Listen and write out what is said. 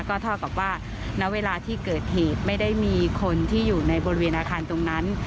ก็เท่ากับว่าณเวลาที่เกิดเหตุไม่ได้มีคนที่อยู่ในบริเวณอาคารตรงนั้น